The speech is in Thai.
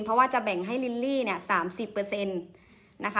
เพราะว่าจะแบ่งให้ลิลลี่เนี้ยสามสิบเปอร์เซ็นต์นะคะ